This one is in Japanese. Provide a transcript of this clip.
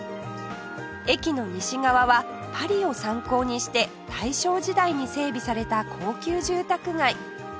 駅の西側はパリを参考にして大正時代に整備された高級住宅街